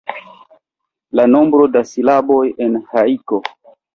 La nombro da silaboj en hajko.